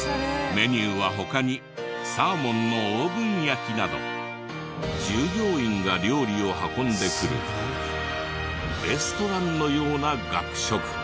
メニューは他にサーモンのオーブン焼きなど従業員が料理を運んでくるレストランのような学食。